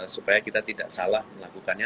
supaya kita tidak salah melakukannya